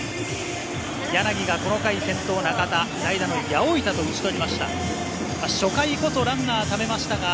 柳はこの回、先頭・中田、代打の八百板と打ち取りました。